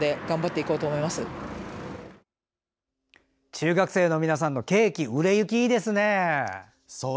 中学生の皆さんのケーキ売れ行きいいですね。